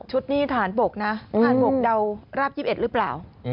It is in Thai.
ชุดนี้ทหารบกนะทหารบกเดาราบ๒๑หรือเปล่า